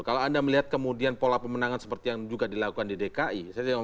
kalau anda melihat kemudian pola pilihan apa yang akan diikatkan